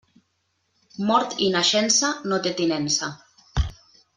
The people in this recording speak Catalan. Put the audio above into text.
Mort i naixença, no té tinença.